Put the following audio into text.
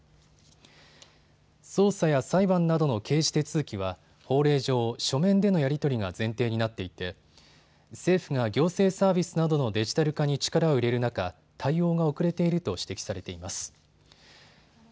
捜査や裁判など刑事手続きは法令上、書面でのやり取りが前提になっていて政府が行政サービスなどのデジタル化に力を入れる中、対応が遅れていると指摘されています。